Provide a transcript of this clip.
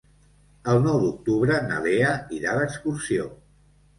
El nou d'octubre na Lea irà d'excursió.